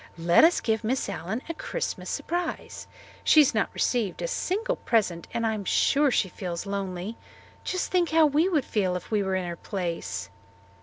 Let us give Miss Allen a Christmas surprise. She has not received a single present and I'm sure she feels lonely. Just think how we would feel if we were in her place."